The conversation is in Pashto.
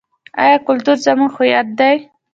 آیا کلتور زموږ هویت دی؟